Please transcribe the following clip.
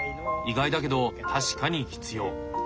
意外だけど確かに必要。